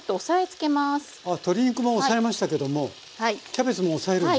鶏肉も押さえましたけどもキャベツも押さえるんですね。